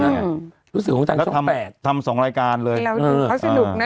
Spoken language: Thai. อืมรู้สึกของทางช่องแปดแล้วทำทำสองรายการเลยเขาสนุกน่ะ